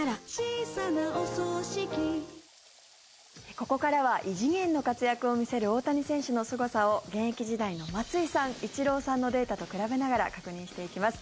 ここからは異次元の活躍を見せる大谷選手のすごさを現役時代の松井さん、イチローさんのデータと比べながら確認していきます。